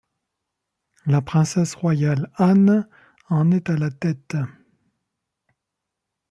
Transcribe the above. La princesse royale Anne en est à la tête.